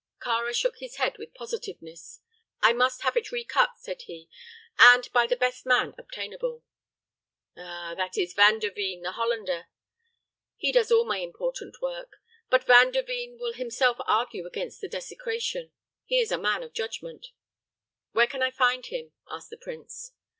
Kāra shook his head with positiveness. "I must have it recut," said he, "and by the best man obtainable." "Ah, that is Van der Veen, the Hollander. He does all my important work. But Van der Veen will himself argue against the desecration. He is a man of judgment." "Where can I find him?" asked the prince.